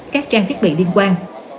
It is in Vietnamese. các trang thiết bị liên quan